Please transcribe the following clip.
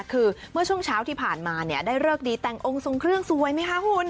คือเมื่อช่วงเช้าที่ผ่านมาเนี่ยได้เลิกดีแต่งองค์ทรงเครื่องสวยไหมคะคุณ